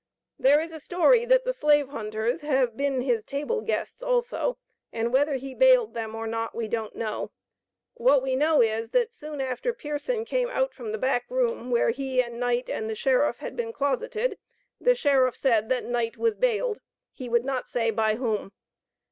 There is a story that the slave hunters have been his table guests also, and whether he bailed them or not, we don't know. What we know is, that soon after Pearson came out from the back room, where he and Knight and the Sheriff had been closeted, the Sheriff said that Knight was bailed he would not say by whom.